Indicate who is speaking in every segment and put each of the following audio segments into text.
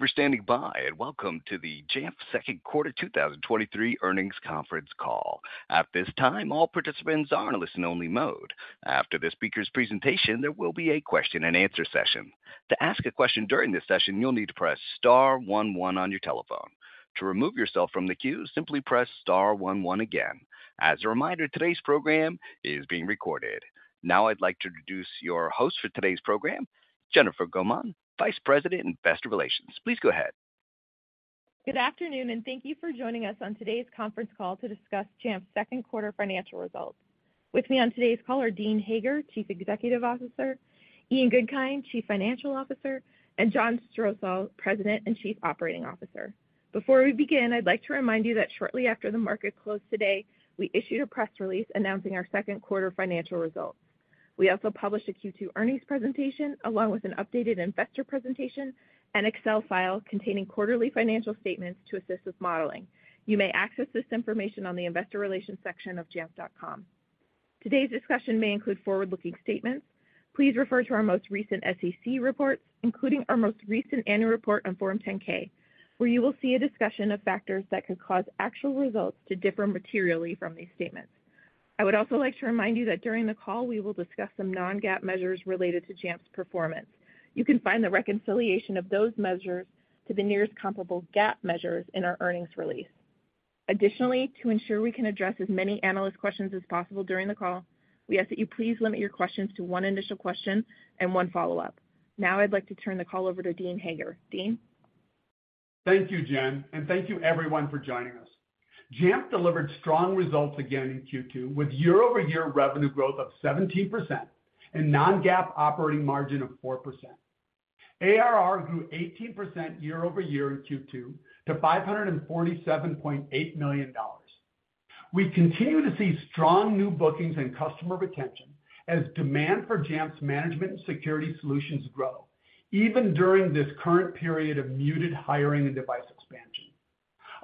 Speaker 1: Thank you for standing by, and welcome to the Jamf second quarter 2023 earnings conference call. At this time, all participants are in a listen-only mode. After the speaker's presentation, there will be a question and answer session. To ask a question during this session, you'll need to press star 11 on your telephone. To remove yourself from the queue, simply press star 11 again. As a reminder, today's program is being recorded. Now I'd like to introduce your host for today's program, Jennifer Gaumond, Vice President of Investor Relations. Please go ahead.
Speaker 2: Good afternoon, and thank you for joining us on today's conference call to discuss Jamf's second quarter financial results. With me on today's call are Dean Hager, Chief Executive Officer, Ian Goodkind, Chief Financial Officer, and John Strosahl, President and Chief Operating Officer. Before we begin, I'd like to remind you that shortly after the market closed today, we issued a press release announcing our second quarter financial results. We also published a Q2 earnings presentation, along with an updated investor presentation and Excel file containing quarterly financial statements to assist with modeling. You may access this information on the investor relations section of jamf.com. Today's discussion may include forward-looking statements. Please refer to our most recent SEC reports, including our most recent annual report on Form 10-K, where you will see a discussion of factors that could cause actual results to differ materially from these statements. I would also like to remind you that during the call, we will discuss some non-GAAP measures related to Jamf's performance. You can find the reconciliation of those measures to the nearest comparable GAAP measures in our earnings release. Additionally, to ensure we can address as many analyst questions as possible during the call, we ask that you please limit your questions to one initial question and one follow-up. Now I'd like to turn the call over to Dean Hager. Dean?
Speaker 3: Thank you, Jen, and thank you everyone for joining us. Jamf delivered strong results again in Q2, with year-over-year revenue growth of 17% and non-GAAP operating margin of 4%. ARR grew 18% year-over-year in Q2 to $547.8 million. We continue to see strong new bookings and customer retention as demand for Jamf's management and security solutions grow, even during this current period of muted hiring and device expansion.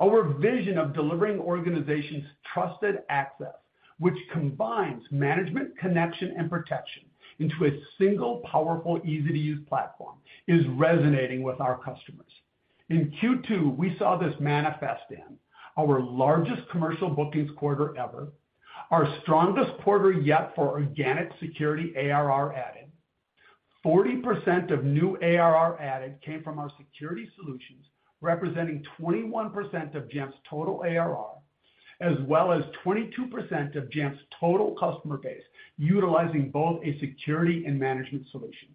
Speaker 3: Our vision of delivering organizations Trusted Access, which combines management, connection, and protection into a single, powerful, easy-to-use platform, is resonating with our customers. In Q2, we saw this manifest in our largest commercial bookings quarter ever, our strongest quarter yet for organic security ARR added. 40% of new ARR added came from our security solutions, representing 21% of Jamf's total ARR, as well as 22% of Jamf's total customer base, utilizing both a security and management solution.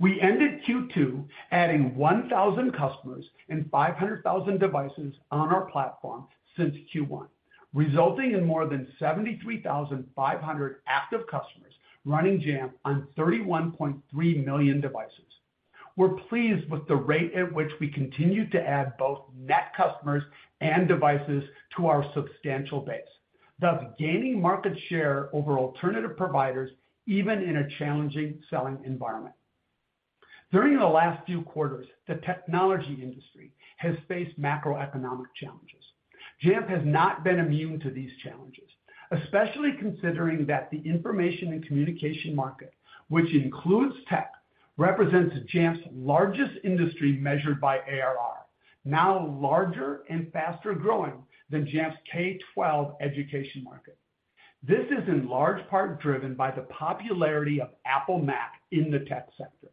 Speaker 3: We ended Q2, adding 1,000 customers and 500,000 devices on our platform since Q1, resulting in more than 73,500 active customers running Jamf on 31.3 million devices. We're pleased with the rate at which we continue to add both net customers and devices to our substantial base, thus gaining market share over alternative providers, even in a challenging selling environment. During the last few quarters, the technology industry has faced macroeconomic challenges. Jamf has not been immune to these challenges, especially considering that the information and communication market, which includes tech, represents Jamf's largest industry, measured by ARR, now larger and faster growing than Jamf's K-12 education market. This is in large part driven by the popularity of Apple Mac in the tech sector.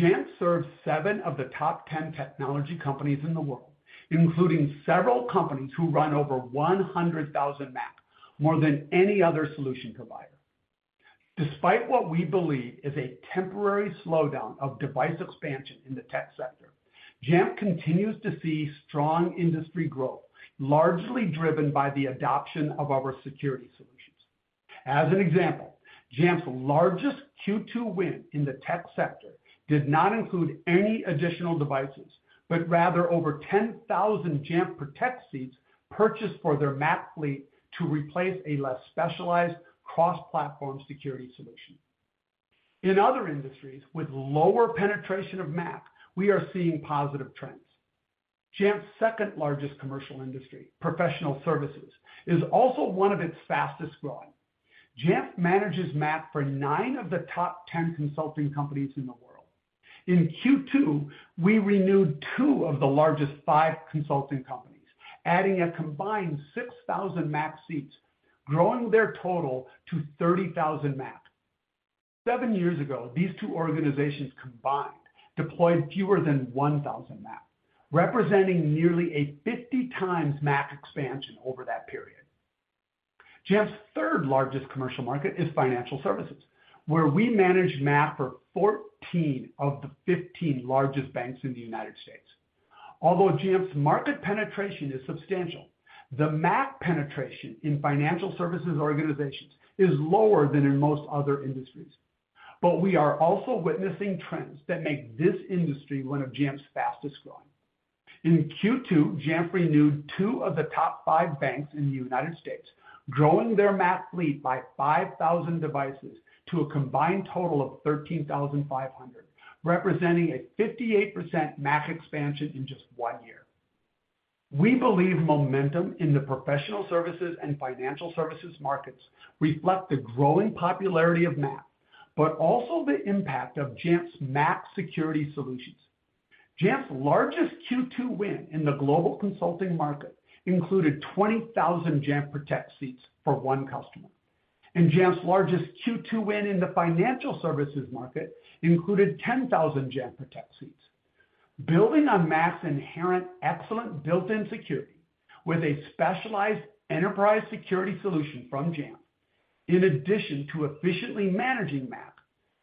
Speaker 3: Jamf serves seven of the top 10 technology companies in the world, including several companies who run over 100,000 Mac, more than any other solution provider. Despite what we believe is a temporary slowdown of device expansion in the tech sector, Jamf continues to see strong industry growth, largely driven by the adoption of our security solutions. As an example, Jamf's largest Q2 win in the tech sector did not include any additional devices, but rather over 10,000 Jamf Protect seats purchased for their Mac fleet to replace a less specialized cross-platform security solution. In other industries with lower penetration of Mac, we are seeing positive trends. Jamf's second-largest commercial industry, professional services, is also one of its fastest-growing. Jamf manages Mac for 9 of the top 10 consulting companies in the world. In Q2, we renewed 2 of the largest 5 consulting companies, adding a combined 6,000 Mac seats, growing their total to 30,000 Mac. 7 years ago, these two organizations combined deployed fewer than 1,000 Mac, representing nearly a 50 times Mac expansion over that period. Jamf's third-largest commercial market is financial services, where we manage Mac for 14 of the 15 largest banks in the United States. Although Jamf's market penetration is substantial, the Mac penetration in financial services organizations is lower than in most other industries. We are also witnessing trends that make this industry one of Jamf's fastest-growing. In Q2, Jamf renewed 2 of the top 5 banks in the United States, growing their Mac fleet by 5,000 devices to a combined total of 13,500, representing a 58% Mac expansion in just 1 year. We believe momentum in the professional services and financial services markets reflect the growing popularity of Mac, but also the impact of Jamf's Mac security solutions. Jamf's largest Q2 win in the global consulting market included 20,000 Jamf Protect seats for 1 customer, and Jamf's largest Q2 win in the financial services market included 10,000 Jamf Protect seats. Building on Mac's inherent excellent built-in security, with a specialized enterprise security solution from Jamf, in addition to efficiently managing Mac,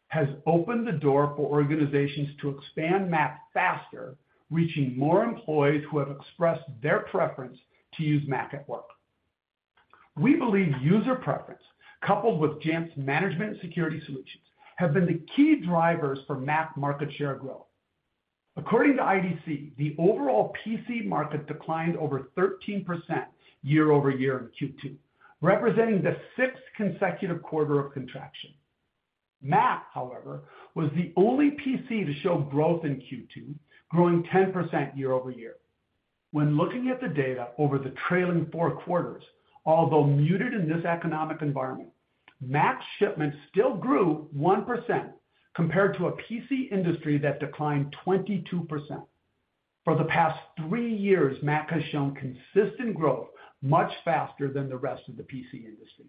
Speaker 3: has opened the door for organizations to expand Mac faster, reaching more employees who have expressed their preference to use Mac at work. We believe user preference, coupled with Jamf's management security solutions, have been the key drivers for Mac market share growth. According to IDC, the overall PC market declined over 13% year-over-year in Q2, representing the sixth consecutive quarter of contraction. Mac, however, was the only PC to show growth in Q2, growing 10% year-over-year. When looking at the data over the trailing four quarters, although muted in this economic environment, Mac shipments still grew 1%, compared to a PC industry that declined 22%. For the past three years, Mac has shown consistent growth, much faster than the rest of the PC industry.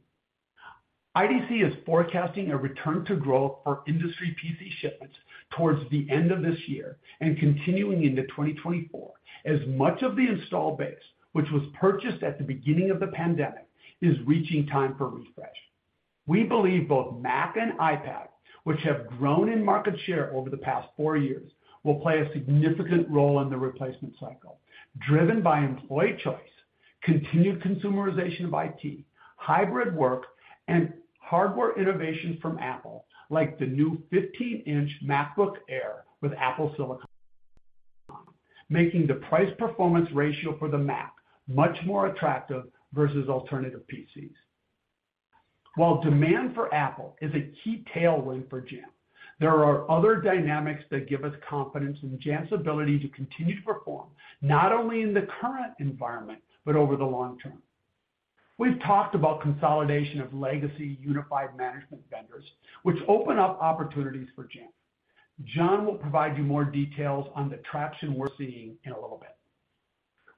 Speaker 3: IDC is forecasting a return to growth for industry PC shipments towards the end of this year and continuing into 2024, as much of the install base, which was purchased at the beginning of the pandemic, is reaching time for refresh. We believe both Mac and iPad, which have grown in market share over the past 4 years, will play a significant role in the replacement cycle, driven by employee choice, continued consumerization of IT, hybrid work, and hardware innovation from Apple, like the new 15-inch MacBook Air with Apple silicon, making the price-performance ratio for the Mac much more attractive versus alternative PCs. While demand for Apple is a key tailwind for Jamf, there are other dynamics that give us confidence in Jamf's ability to continue to perform, not only in the current environment, but over the long term. We've talked about consolidation of legacy unified management vendors, which open up opportunities for Jamf. John will provide you more details on the traction we're seeing in a little bit.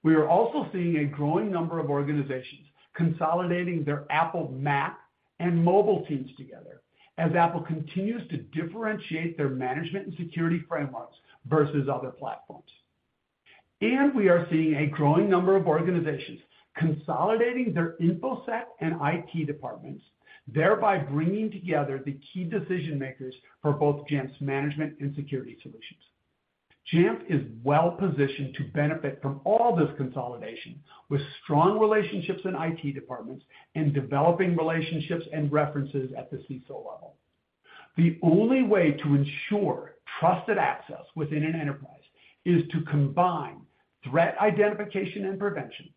Speaker 3: We are also seeing a growing number of organizations consolidating their Apple Mac and mobile teams together, as Apple continues to differentiate their management and security frameworks versus other platforms. We are seeing a growing number of organizations consolidating their InfoSec and IT departments, thereby bringing together the key decision makers for both Jamf's management and security solutions. Jamf is well-positioned to benefit from all this consolidation, with strong relationships in IT departments and developing relationships and references at the CISO level. The only way to ensure trusted access within an enterprise is to combine threat identification and prevention,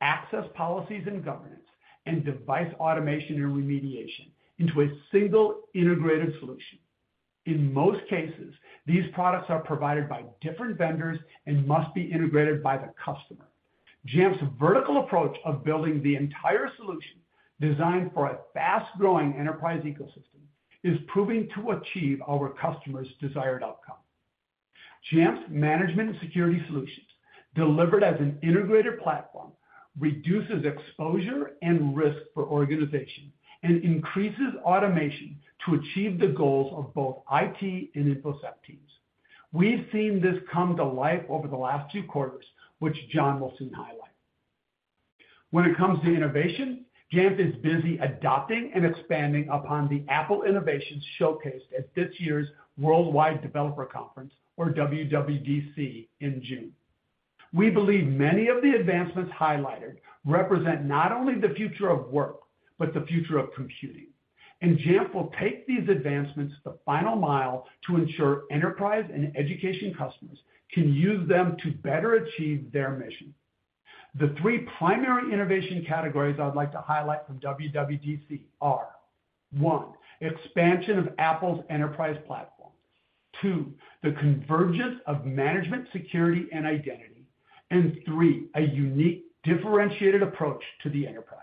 Speaker 3: access policies and governance, and device automation and remediation into a single integrated solution. In most cases, these products are provided by different vendors and must be integrated by the customer. Jamf's vertical approach of building the entire solution designed for a fast-growing enterprise ecosystem is proving to achieve our customers' desired outcome. Jamf's management and security solutions, delivered as an integrated platform, reduces exposure and risk for organization and increases automation to achieve the goals of both IT and InfoSec teams. We've seen this come to life over the last two quarters, which John will soon highlight. When it comes to innovation, Jamf is busy adopting and expanding upon the Apple innovations showcased at this year's Worldwide Developers Conference, or WWDC, in June. We believe many of the advancements highlighted represent not only the future of work, but the future of computing. Jamf will take these advancements the final mile to ensure enterprise and education customers can use them to better achieve their mission. The 3 primary innovation categories I'd like to highlight from WWDC are: 1, expansion of Apple's enterprise platform. 2, the convergence of management, security, and identity. 3, a unique, differentiated approach to the enterprise.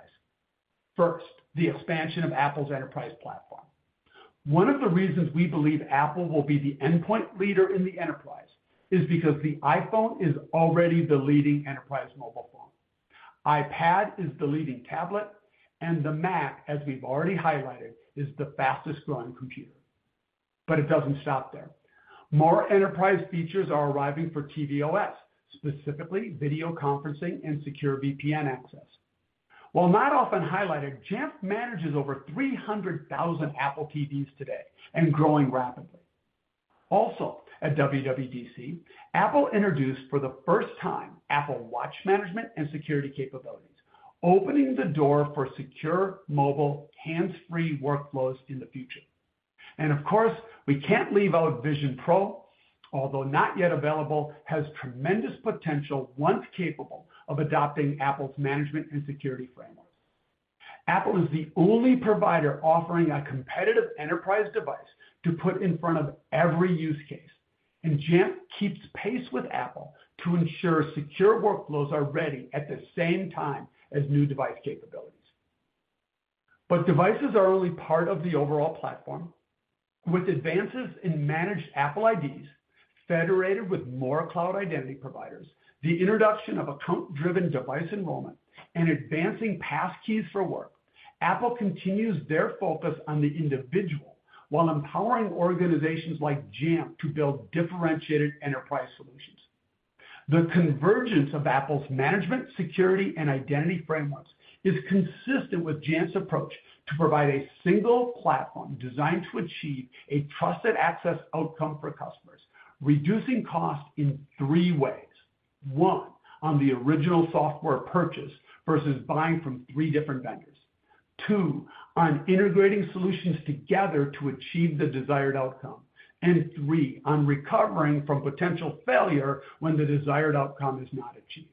Speaker 3: First, the expansion of Apple's enterprise platform. One of the reasons we believe Apple will be the endpoint leader in the enterprise is because the iPhone is already the leading enterprise mobile phone. iPad is the leading tablet, and the Mac, as we've already highlighted, is the fastest-growing computer. It doesn't stop there. More enterprise features are arriving for tvOS, specifically video conferencing and secure VPN access. While not often highlighted, Jamf manages over 300,000 Apple TVs today and growing rapidly. Also, at WWDC, Apple introduced for the first time, Apple Watch management and security capabilities, opening the door for secure mobile, hands-free workflows in the future. Of course, we can't leave out Vision Pro, although not yet available, has tremendous potential once capable of adopting Apple's management and security framework. Apple is the only provider offering a competitive enterprise device to put in front of every use case, and Jamf keeps pace with Apple to ensure secure workflows are ready at the same time as new device capabilities. Devices are only part of the overall platform. With advances in Managed Apple IDs, federated with more cloud identity providers, the introduction of Account-driven Device Enrollment, and advancing passkeys for work, Apple continues their focus on the individual, while empowering organizations like Jamf to build differentiated enterprise solutions. The convergence of Apple's management, security, and identity frameworks is consistent with Jamf's approach to provide a single platform designed to achieve a trusted access outcome for customers, reducing costs in three ways. One, on the original software purchase versus buying from three different vendors. Two, on integrating solutions together to achieve the desired outcome. Three, on recovering from potential failure when the desired outcome is not achieved.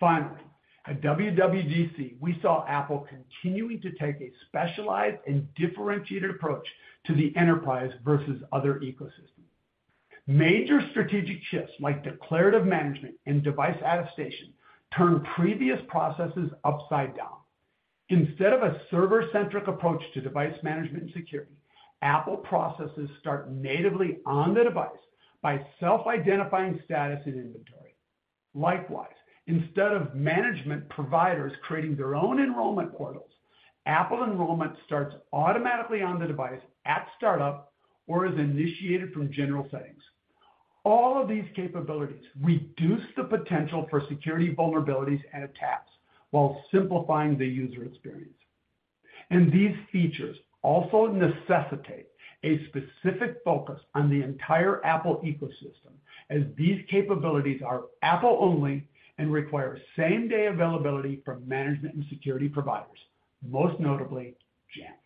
Speaker 3: Finally, at WWDC, we saw Apple continuing to take a specialized and differentiated approach to the enterprise versus other ecosystems. Major strategic shifts like Declarative Management and Device Attestation, turned previous processes upside down. Instead of a server-centric approach to device management and security, Apple processes start natively on the device by self-identifying status and inventory. Likewise, instead of management providers creating their own enrollment portals, Apple enrollment starts automatically on the device at startup or is initiated from general settings. All of these capabilities reduce the potential for security vulnerabilities and attacks while simplifying the user experience. These features also necessitate a specific focus on the entire Apple ecosystem, as these capabilities are Apple-only and require same-day availability from management and security providers, most notably, Jamf.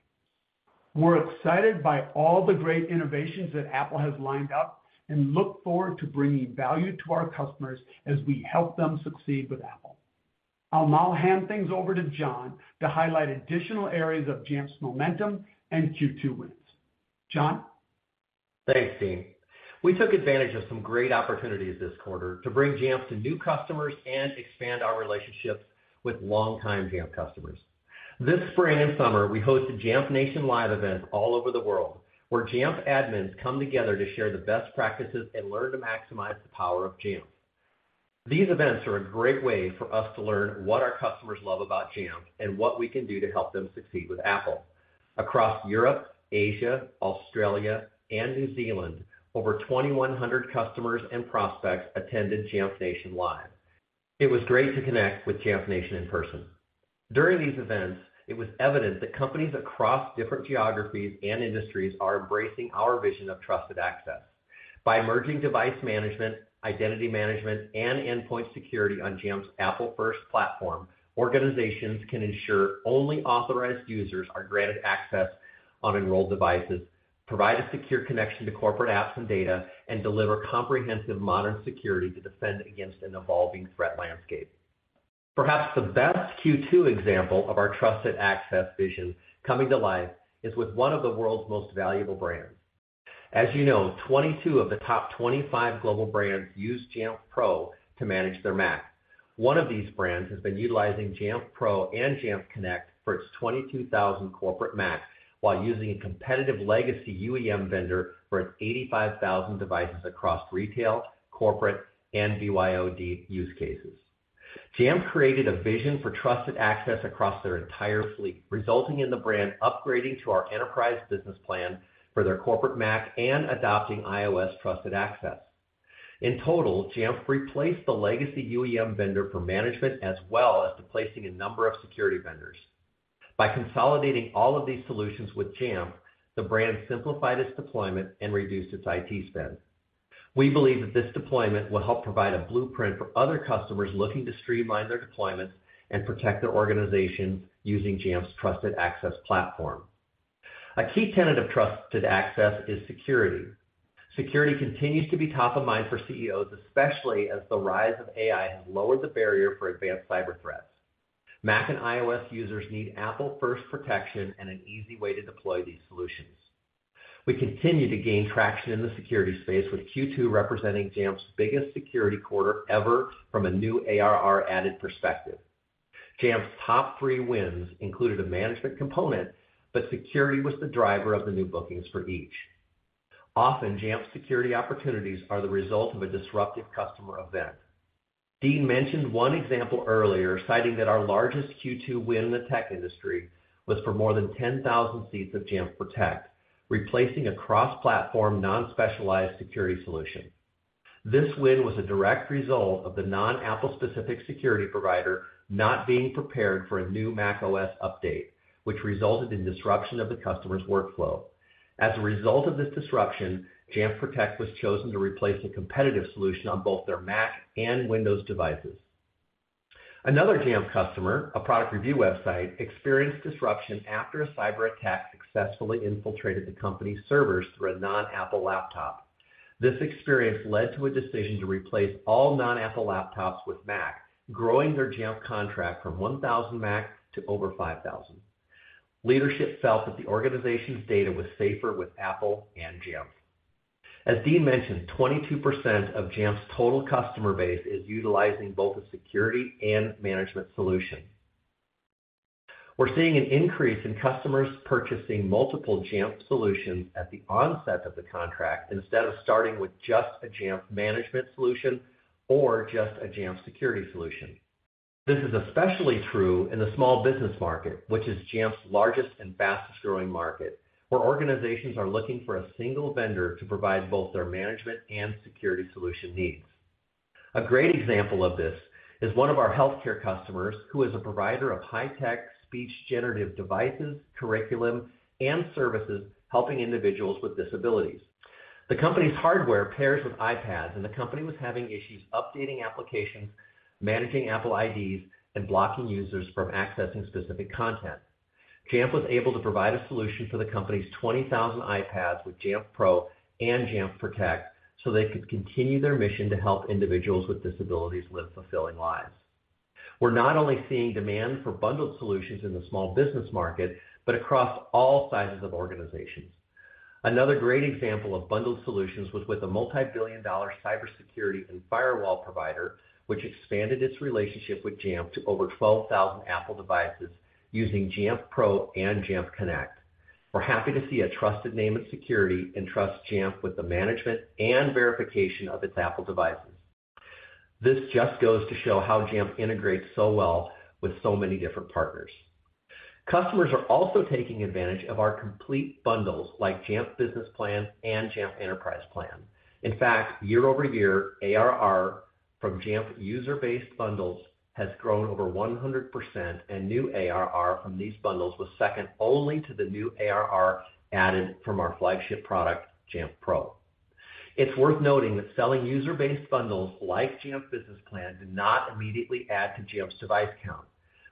Speaker 3: We're excited by all the great innovations that Apple has lined up and look forward to bringing value to our customers as we help them succeed with Apple. I'll now hand things over to John to highlight additional areas of Jamf's momentum and Q2 wins. John?
Speaker 4: Thanks, Dean. We took advantage of some great opportunities this quarter to bring Jamf to new customers and expand our relationships with longtime Jamf customers. This spring and summer, we hosted Jamf Nation Live events all over the world, where Jamf admins come together to share the best practices and learn to maximize the power of Jamf. These events are a great way for us to learn what our customers love about Jamf and what we can do to help them succeed with Apple. Across Europe, Asia, Australia, and New Zealand, over 2,100 customers and prospects attended Jamf Nation Live. It was great to connect with Jamf Nation in person. During these events, it was evident that companies across different geographies and industries are embracing our vision of Trusted Access. By merging device management, identity management, and endpoint security on Jamf's Apple first platform, organizations can ensure only authorized users are granted access on enrolled devices, provide a secure connection to corporate apps and data, and deliver comprehensive, modern security to defend against an evolving threat landscape. Perhaps the best Q2 example of our Trusted Access vision coming to life is with one of the world's most valuable brands. As you know, 22 of the top 25 global brands use Jamf Pro to manage their Mac. One of these brands has been utilizing Jamf Pro and Jamf Connect for its 22,000 corporate Macs, while using a competitive legacy UEM vendor for its 85,000 devices across retail, corporate, and BYOD use cases. Jamf created a vision for Trusted Access across their entire fleet, resulting in the brand upgrading to our enterprise business plan for their corporate Mac and adopting iOS Trusted Access. In total, Jamf replaced the legacy UEM vendor for management, as well as replacing a number of security vendors. By consolidating all of these solutions with Jamf, the brand simplified its deployment and reduced its IT spend. We believe that this deployment will help provide a blueprint for other customers looking to streamline their deployments and protect their organization using Jamf's Trusted Access platform. A key tenet of Trusted Access is security. Security continues to be top of mind for CEOs, especially as the rise of AI has lowered the barrier for advanced cyber threats. Mac and iOS users need Apple first protection and an easy way to deploy these solutions. We continue to gain traction in the security space, with Q2 representing Jamf's biggest security quarter ever from a new ARR added perspective. Jamf's top 3 wins included a management component, but security was the driver of the new bookings for each. Often, Jamf's security opportunities are the result of a disruptive customer event. Dean mentioned one example earlier, citing that our largest Q2 win in the tech industry was for more than 10,000 seats of Jamf Protect, replacing a cross-platform, non-specialized security solution. This win was a direct result of the non-Apple-specific security provider not being prepared for a new macOS update, which resulted in disruption of the customer's workflow. As a result of this disruption, Jamf Protect was chosen to replace a competitive solution on both their Mac and Windows devices. Another Jamf customer, a product review website, experienced disruption after a cyberattack successfully infiltrated the company's servers through a non-Apple laptop. This experience led to a decision to replace all non-Apple laptops with Mac, growing their Jamf contract from 1,000 Macs to over 5,000. Leadership felt that the organization's data was safer with Apple and Jamf. As Dean mentioned, 22% of Jamf's total customer base is utilizing both a security and management solution. We're seeing an increase in customers purchasing multiple Jamf solutions at the onset of the contract, instead of starting with just a Jamf management solution or just a Jamf security solution. This is especially true in the small business market, which is Jamf's largest and fastest-growing market, where organizations are looking for a single vendor to provide both their management and security solution needs. A great example of this is one of our healthcare customers, who is a provider of high-tech, speech-generative devices, curriculum, and services, helping individuals with disabilities. The company's hardware pairs with iPads, and the company was having issues updating applications, managing Apple IDs, and blocking users from accessing specific content. Jamf was able to provide a solution for the company's 20,000 iPads with Jamf Pro and Jamf Protect, so they could continue their mission to help individuals with disabilities live fulfilling lives. We're not only seeing demand for bundled solutions in the small business market, but across all sizes of organizations. Another great example of bundled solutions was with a multi-billion-dollar cybersecurity and firewall provider, which expanded its relationship with Jamf to over 12,000 Apple devices using Jamf Pro and Jamf Connect. We're happy to see a trusted name in security and trust Jamf with the management and verification of its Apple devices. This just goes to show how Jamf integrates so well with so many different partners. Customers are also taking advantage of our complete bundles, like Jamf Business Plan and Jamf Enterprise Plan. In fact, year-over-year ARR from Jamf user-based bundles has grown over 100%, and new ARR from these bundles was second only to the new ARR added from our flagship product, Jamf Pro. It's worth noting that selling user-based bundles like Jamf Business Plan do not immediately add to Jamf's device count.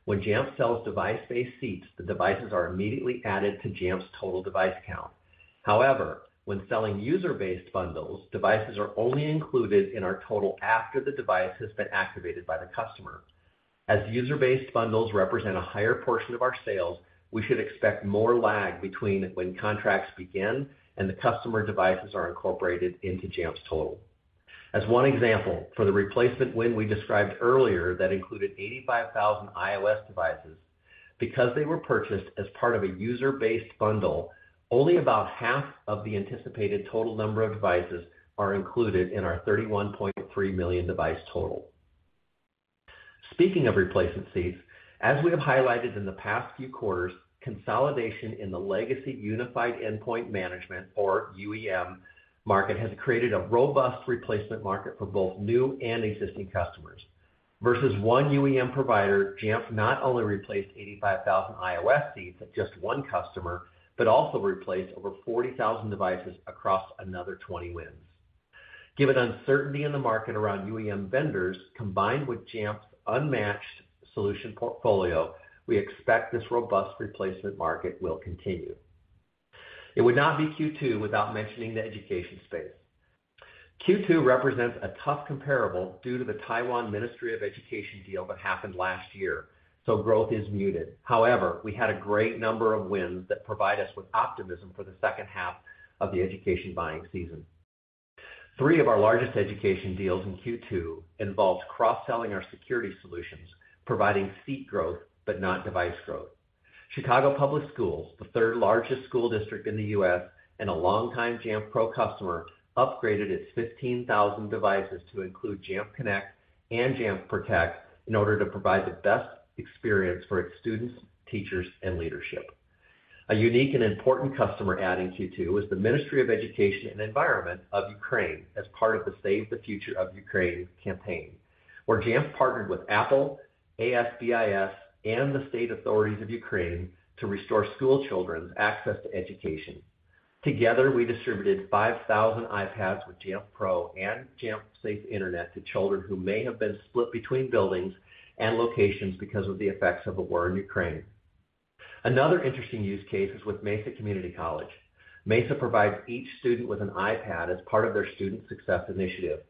Speaker 4: When Jamf sells device-based seats, the devices are immediately added to Jamf's total device count. However, when selling user-based bundles, devices are only included in our total after the device has been activated by the customer. As user-based bundles represent a higher portion of our sales, we should expect more lag between when contracts begin and the customer devices are incorporated into Jamf's total. As one example, for the replacement win we described earlier, that included 85,000 iOS devices. Because they were purchased as part of a user-based bundle, only about half of the anticipated total number of devices are included in our 31.3 million device total. Speaking of replacement seats, as we have highlighted in the past few quarters, consolidation in the legacy Unified Endpoint Management, or UEM, market, has created a robust replacement market for both new and existing customers. Versus one UEM provider, Jamf not only replaced 85,000 iOS seats with just one customer, but also replaced over 40,000 devices across another 20 wins. Given uncertainty in the market around UEM vendors, combined with Jamf's unmatched solution portfolio, we expect this robust replacement market will continue. It would not be Q2 without mentioning the education space. Q2 represents a tough comparable due to the Taiwan Ministry of Education deal that happened last year, growth is muted. We had a great number of wins that provide us with optimism for the second half of the education buying season. 3 of our largest education deals in Q2 involves cross-selling our security solutions, providing seat growth, but not device growth. Chicago Public Schools, the third-largest school district in the US and a long-time Jamf Pro customer, upgraded its 15,000 devices to include Jamf Connect and Jamf Protect in order to provide the best experience for its students, teachers, and leadership. A unique and important customer add in Q2 is the Ministry of Education and Environment of Ukraine as part of the Save the Future of Ukraine campaign, where Jamf partnered with Apple, ASBIS, and the state authorities of Ukraine to restore schoolchildren's access to education. Together, we distributed 5,000 iPads with Jamf Pro and Jamf Safe Internet to children who may have been split between buildings and locations because of the effects of the war in Ukraine. Another interesting use case is with Mesa Community College. Mesa provides each student with an iPad as part of their student success initiative.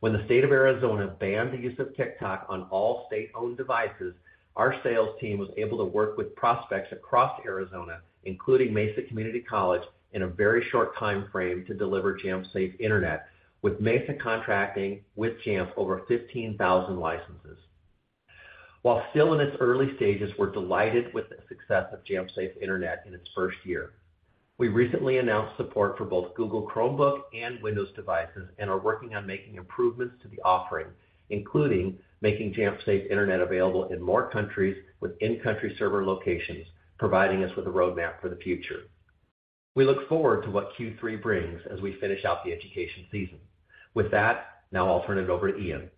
Speaker 4: When the state of Arizona banned the use of TikTok on all state-owned devices, our sales team was able to work with prospects across Arizona, including Mesa Community College, in a very short time frame to deliver Jamf Safe Internet, with Mesa contracting with Jamf over 15,000 licenses. While still in its early stages, we're delighted with the success of Jamf Safe Internet in its first year. We recently announced support for both Google Chromebook and Windows devices and are working on making improvements to the offering, including making Jamf Safe Internet available in more countries with in-country server locations, providing us with a roadmap for the future. We look forward to what Q3 brings as we finish out the education season. With that, now I'll turn it over to Ian.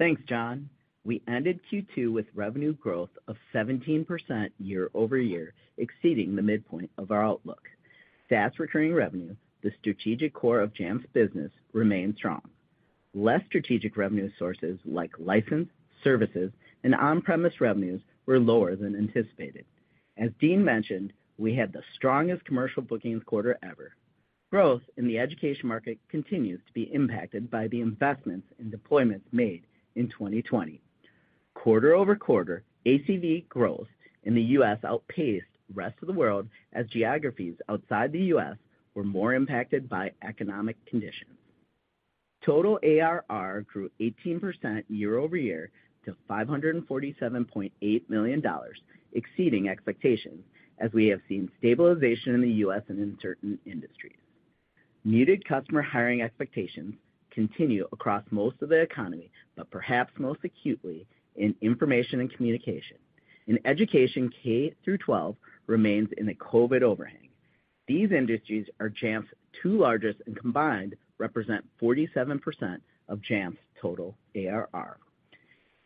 Speaker 5: Thanks, John. We ended Q2 with revenue growth of 17% year-over-year, exceeding the midpoint of our outlook. SaaS recurring revenue, the strategic core of Jamf's business, remains strong. Less strategic revenue sources like license, services, and on-premise revenues were lower than anticipated. As Dean mentioned, we had the strongest commercial bookings quarter ever. Growth in the education market continues to be impacted by the investments and deployments made in 2020. Quarter-over-quarter, ACV growth in the US outpaced the rest of the world, as geographies outside the US were more impacted by economic conditions. Total ARR grew 18% year-over-year to $547.8 million, exceeding expectations, as we have seen stabilization in the US and in certain industries. Muted customer hiring expectations continue across most of the economy, but perhaps most acutely in information and communication. In education, K-12 remains in a COVID overhang. These industries are Jamf's two largest, and combined, represent 47% of Jamf's total ARR.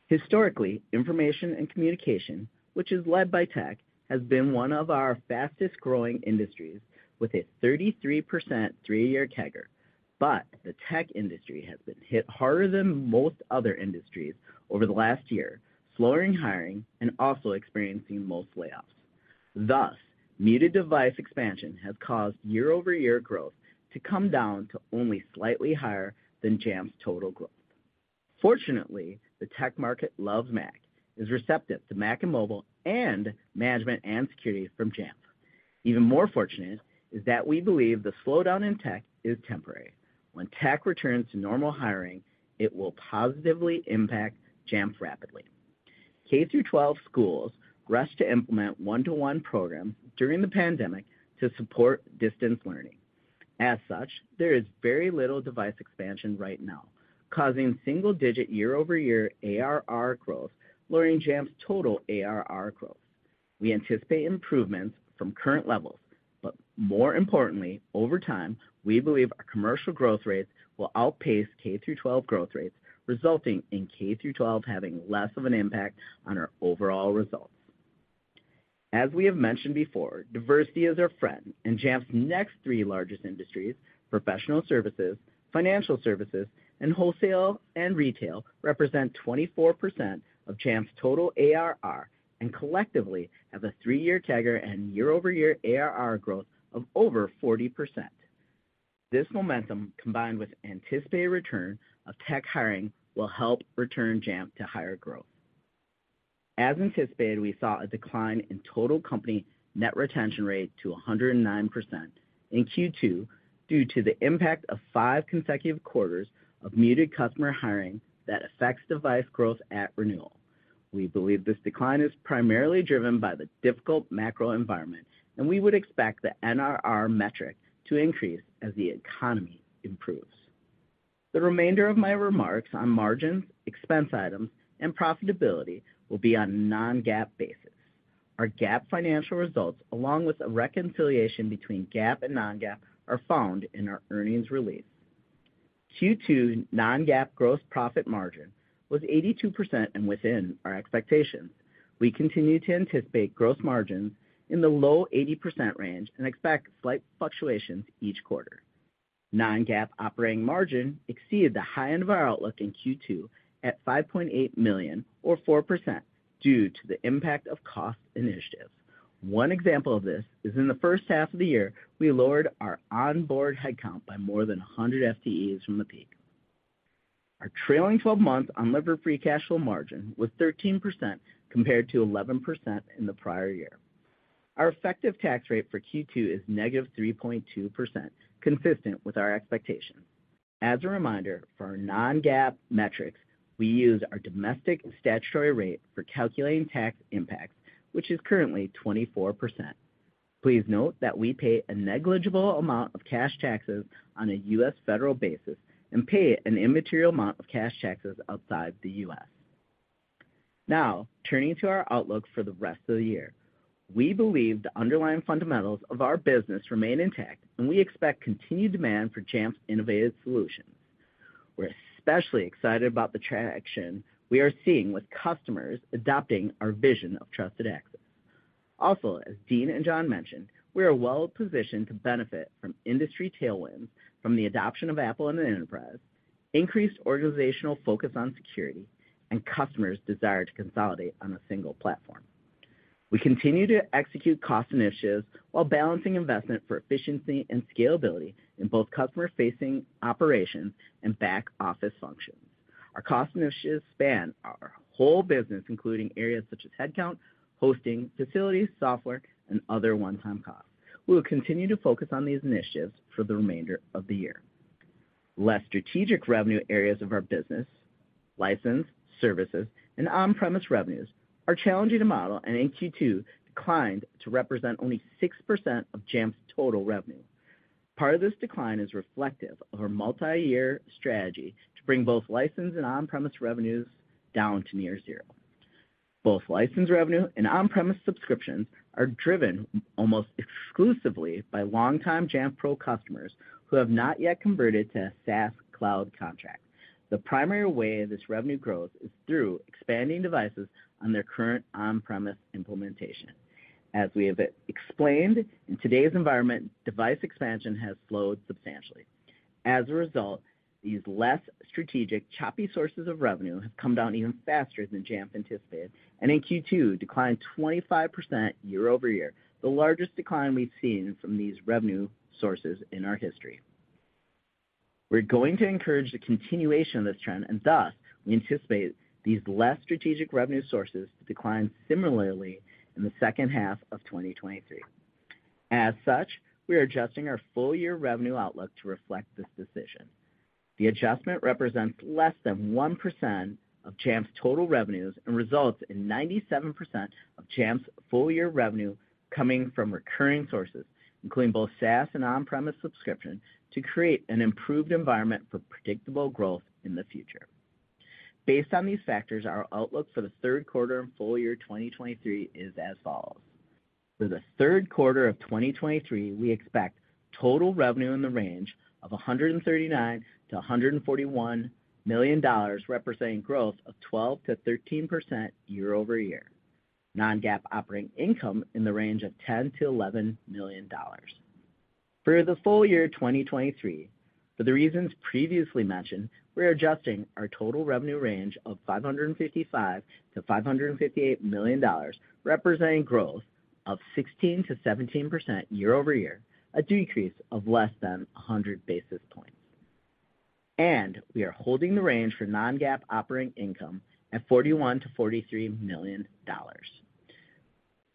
Speaker 5: Historically, information and communication, which is led by tech, has been one of our fastest-growing industries, with a 33% three-year CAGR. The tech industry has been hit harder than most other industries over the last year, slowing hiring and also experiencing more layoffs. Thus, muted device expansion has caused year-over-year growth to come down to only slightly higher than Jamf's total growth. Fortunately, the tech market loves Mac, is receptive to Mac and mobile, and management and security from Jamf. Even more fortunate is that we believe the slowdown in tech is temporary. When tech returns to normal hiring, it will positively impact Jamf rapidly. K-12 schools rushed to implement one-to-one programs during the pandemic to support distance learning. As such, there is very little device expansion right now, causing single-digit year-over-year ARR growth, lowering Jamf's total ARR growth. We anticipate improvements from current levels, but more importantly, over time, we believe our commercial growth rates will outpace K through twelve growth rates, resulting in K through twelve having less of an impact on our overall results. As we have mentioned before, diversity is our friend, and Jamf's next three largest industries, professional services, financial services, and wholesale and retail, represent 24% of Jamf's total ARR and collectively have a three-year CAGR and year-over-year ARR growth of over 40%. This momentum, combined with anticipated return of tech hiring, will help return Jamf to higher growth. As anticipated, we saw a decline in total company net retention rate to 109% in Q2 due to the impact of five consecutive quarters of muted customer hiring that affects device growth at renewal. We believe this decline is primarily driven by the difficult macro environment, and we would expect the NRR metric to increase as the economy improves. The remainder of my remarks on margins, expense items, and profitability will be on a non-GAAP basis. Our GAAP financial results, along with a reconciliation between GAAP and non-GAAP, are found in our earnings release. Q2 non-GAAP gross profit margin was 82% and within our expectations. We continue to anticipate gross margins in the low 80% range and expect slight fluctuations each quarter. Non-GAAP operating margin exceeded the high end of our outlook in Q2 at $5.8 million, or 4%, due to the impact of cost initiatives. One example of this is in the first half of the year, we lowered our onboard headcount by more than 100 FTEs from the peak. Our trailing 12-month unlevered free cash flow margin was 13%, compared to 11% in the prior year. Our effective tax rate for Q2 is -3.2%, consistent with our expectations. As a reminder, for our non-GAAP metrics, we use our domestic statutory rate for calculating tax impacts, which is currently 24%. Please note that we pay a negligible amount of cash taxes on a US federal basis and pay an immaterial amount of cash taxes outside the US. Turning to our outlook for the rest of the year. We believe the underlying fundamentals of our business remain intact, and we expect continued demand for Jamf's innovative solutions. We're especially excited about the traction we are seeing with customers adopting our vision of Trusted Access. Also, as Dean and John mentioned, we are well positioned to benefit from industry tailwinds from the adoption of Apple in the enterprise, increased organizational focus on security, and customers' desire to consolidate on a single platform. We continue to execute cost initiatives while balancing investment for efficiency and scalability in both customer-facing operations and back-office functions. Our cost initiatives span our whole business, including areas such as headcount, hosting, facilities, software, and other one-time costs. We will continue to focus on these initiatives for the remainder of the year. Less strategic revenue areas of our business, license, services, and on-premise revenues, are challenging to model and in Q2, declined to represent only 6% of Jamf's total revenue. Part of this decline is reflective of our multi-year strategy to bring both license and on-premise revenues down to near zero. Both license revenue and on-premise subscriptions are driven almost exclusively by longtime Jamf Pro customers who have not yet converted to a SaaS cloud contract. The primary way this revenue grows is through expanding devices on their current on-premise implementation. As we have explained, in today's environment, device expansion has slowed substantially. As a result, these less strategic, choppy sources of revenue have come down even faster than Jamf anticipated, and in Q2, declined 25% year-over-year, the largest decline we've seen from these revenue sources in our history. We're going to encourage the continuation of this trend, and thus, we anticipate these less strategic revenue sources to decline similarly in the second half of 2023. As such, we are adjusting our full year revenue outlook to reflect this decision. The adjustment represents less than 1% of Jamf's total revenues and results in 97% of Jamf's full year revenue coming from recurring sources, including both SaaS and on-premise subscription, to create an improved environment for predictable growth in the future. Based on these factors, our outlook for the third quarter and full year 2023 is as follows: For the third quarter of 2023, we expect total revenue in the range of $139 million-$141 million, representing growth of 12%-13% year-over-year. Non-GAAP operating income in the range of $10 million-$11 million. For the full year 2023, for the reasons previously mentioned, we are adjusting our total revenue range of $555 million-$558 million, representing growth of 16%-17% year-over-year, a decrease of less than 100 basis points. We are holding the range for non-GAAP operating income at $41 million-$43 million.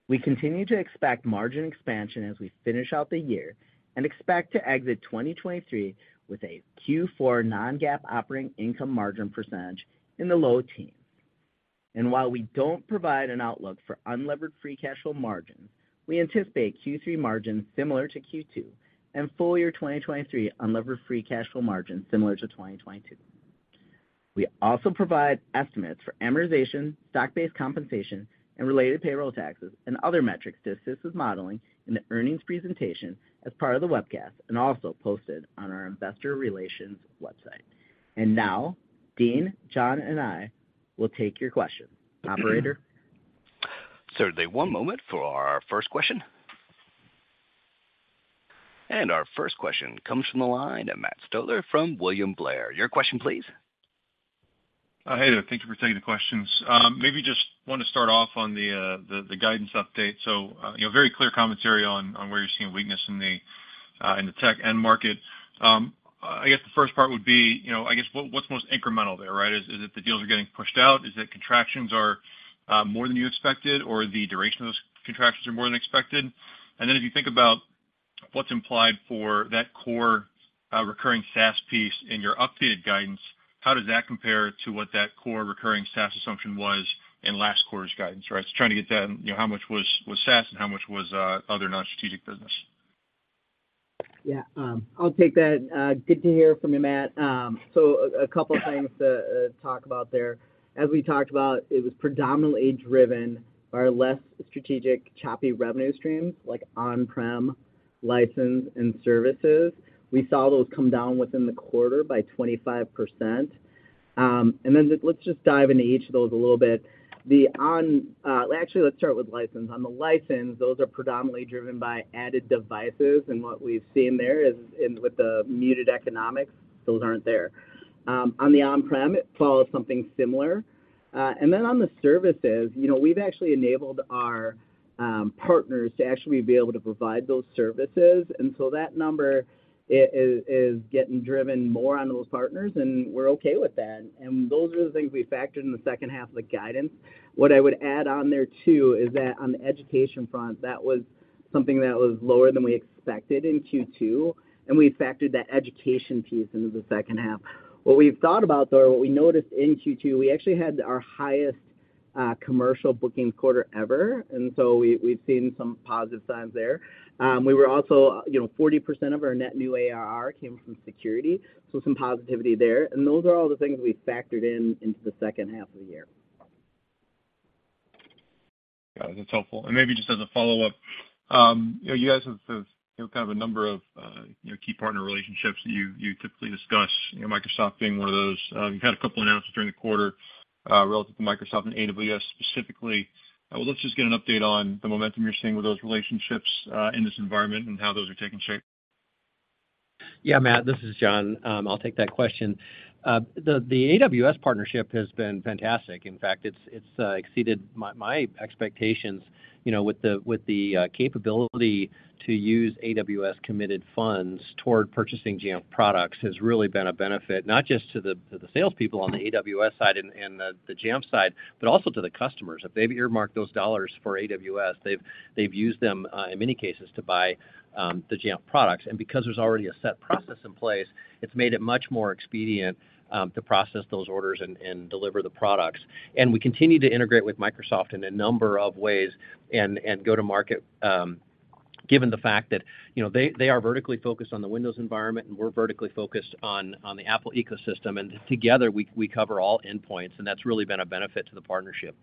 Speaker 5: We continue to expect margin expansion as we finish out the year and expect to exit 2023 with a Q4 non-GAAP operating income margin percentage in the low teens. While we don't provide an outlook for unlevered free cash flow margin, we anticipate Q3 margins similar to Q2 and full year 2023 unlevered free cash flow margins similar to 2022. We also provide estimates for amortization, stock-based compensation, and related payroll taxes and other metrics to assist with modeling in the earnings presentation as part of the webcast and also posted on our investor relations website. Now, Dean, John, and I will take your questions. Operator?
Speaker 1: Certainly. One moment for our first question. Our first question comes from the line of Matt Stotler from William Blair. Your question, please.
Speaker 6: Hey there. Thank you for taking the questions. Maybe just want to start off on the guidance update. You know, very clear commentary on where you're seeing weakness in the tech end market. I guess the first part would be, you know, I guess what, what's most incremental there, right? Is, is it the deals are getting pushed out? Is it contractions are more than you expected, or the duration of those contractions are more than expected? Then if you think about what's implied for that core recurring SaaS piece in your updated guidance, how does that compare to what that core recurring SaaS assumption was in last quarter's guidance, right? Trying to get that, you know, how much was, was SaaS and how much was other non-strategic business?
Speaker 5: Yeah, I'll take that. Good to hear from you, Matt. So a couple things to talk about there. As we talked about, it was predominantly driven by our less strategic choppy revenue streams, like on-prem, license, and services. We saw those come down within the quarter by 25%. And then just let's just dive into each of those a little bit. Actually, let's start with license. On the license, those are predominantly driven by added devices, and what we've seen there is, and with the muted economics, those aren't there. On the on-prem, it follows something similar. And then on the services, you know, we've actually enabled our partners to actually be able to provide those services, and so that number is, is, is getting driven more on those partners, and we're okay with that. Those are the things we factored in the second half of the guidance. What I would add on there, too, is that on the education front, that was something that was lower than we expected in Q2, and we factored that education piece into the second half. What we've thought about, though, or what we noticed in Q2, we actually had our highest commercial bookings quarter ever, and so we, we've seen some positive signs there. We were also, you know, 40% of our net new ARR came from security, so some positivity there. Those are all the things we factored in into the second half of the year.
Speaker 6: Got it. That's helpful. Maybe just as a follow-up, you know, you guys have, have, you know, kind of a number of, you know, key partner relationships you, you typically discuss, you know, Microsoft being one of those. You've had a couple announcements during the quarter, relative to Microsoft and AWS specifically. Let's just get an update on the momentum you're seeing with those relationships, in this environment and how those are taking shape.
Speaker 4: Yeah, Matt, this is John. I'll take that question. The AWS partnership has been fantastic. In fact, it's, it's exceeded my, my expectations. You know, with the, with the capability to use AWS-committed funds toward purchasing Jamf products has really been a benefit, not just to the, to the salespeople on the AWS side and, and the, the Jamf side, but also to the customers. If they've earmarked those dollars for AWS, they've, they've used them in many cases to buy the Jamf products. Because there's already a set process in place, it's made it much more expedient to process those orders and, and deliver the products. We continue to integrate with Microsoft in a number of ways and, and go to market, given the fact that, you know, they, they are vertically focused on the Windows environment, and we're vertically focused on, on the Apple ecosystem, and together, we, we cover all endpoints, and that's really been a benefit to the partnership.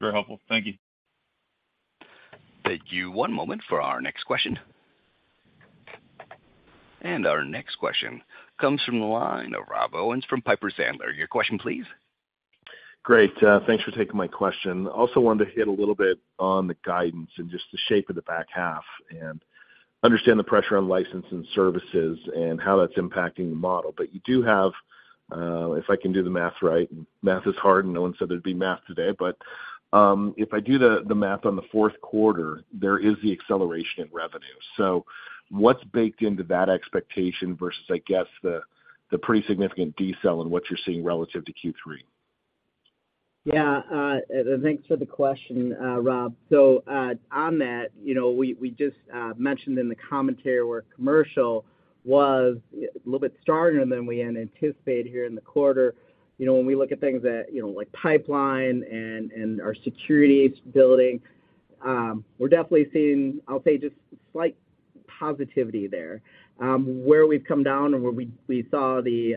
Speaker 6: Very helpful. Thank you.
Speaker 1: Thank you. One moment for our next question. Our next question comes from the line of Rob Owens from Piper Sandler. Your question, please?
Speaker 7: Great, thanks for taking my question. Also wanted to hit a little bit on the guidance and just the shape of the back half, and understand the pressure on license and services and how that's impacting the model. You do have, if I can do the math right, math is hard, and no one said there'd be math today. If I do the, the math on the fourth quarter, there is the acceleration in revenue. What's baked into that expectation versus, I guess, the, the pretty significant decel in what you're seeing relative to Q3?
Speaker 5: Yeah, thanks for the question, Rob. On that, you know, we, we just mentioned in the commentary where commercial was a little bit stronger than we had anticipated here in the quarter. You know, when we look at things that, you know, like pipeline and, and our security building, we're definitely seeing, I'll say, just slight positivity there. Where we've come down and where we, we saw the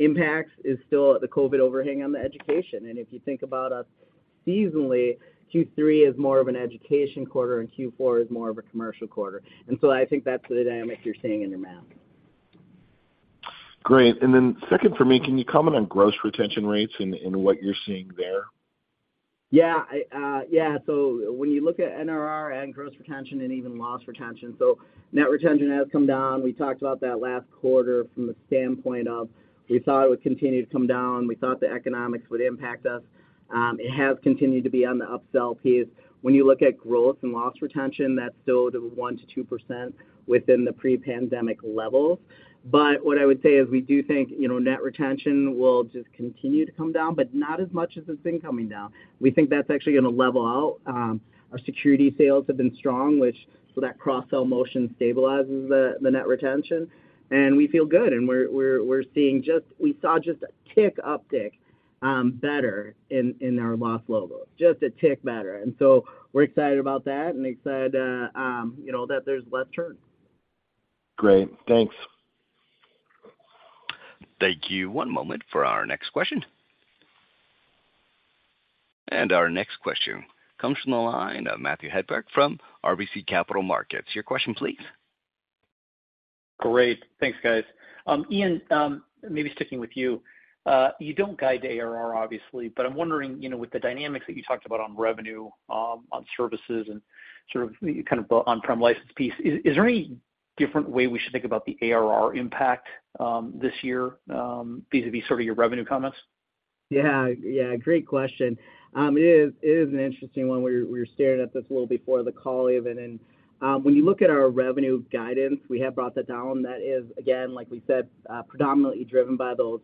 Speaker 5: impacts is still at the COVID overhang on the education. If you think about us seasonally, Q3 is more of an education quarter, and Q4 is more of a commercial quarter, and so I think that's the dynamic you're seeing in your math.
Speaker 7: Great. Then second for me, can you comment on gross retention rates and what you're seeing there?
Speaker 5: Yeah, I... Yeah, when you look at NRR and gross retention and even loss retention, net retention has come down. We talked about that last quarter from the standpoint of we thought it would continue to come down. We thought the economics would impact us. It has continued to be on the upsell piece. When you look at gross and loss retention, that's still the 1%-2% within the pre-pandemic levels. What I would say is we do think, you know, net retention will just continue to come down, but not as much as it's been coming down. We think that's actually gonna level out. Our security sales have been strong, which, so that cross-sell motion stabilizes the, the net retention, and we feel good, and we saw just a tick uptick, better in, in our loss logo, just a tick better. We're excited about that and excited, you know, that there's less churn.
Speaker 7: Great. Thanks.
Speaker 1: Thank you. One moment for our next question. Our next question comes from the line of Matthew Hedberg from RBC Capital Markets. Your question please.
Speaker 8: Great. Thanks, guys. Ian, maybe sticking with you. You don't guide ARR, obviously, but I'm wondering, you know, with the dynamics that you talked about on revenue, on services and sort of kind of on-prem license piece, is, is there any different way we should think about the ARR impact, this year, vis-a-vis sort of your revenue comments?
Speaker 5: Yeah. Yeah, great question. It is, it is an interesting one. We were, we were staring at this a little before the call even. When you look at our revenue guidance, we have brought that down. That is, again, like we said, you know, predominantly driven by those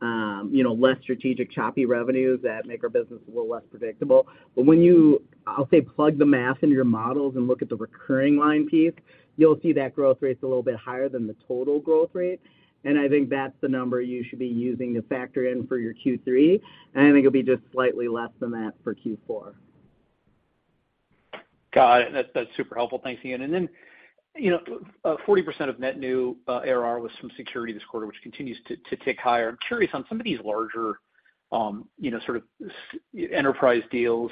Speaker 5: less strategic, choppy revenues that make our business a little less predictable. When you, I'll say, plug the math into your models and look at the recurring line piece, you'll see that growth rate's a little bit higher than the total growth rate. I think that's the number you should be using to factor in for your Q3. I think it'll be just slightly less than that for Q4.
Speaker 8: Got it. That's, that's super helpful. Thanks, Ian. You know, 40% of net new ARR was from security this quarter, which continues to tick higher. I'm curious on some of these larger, you know, sort of enterprise deals,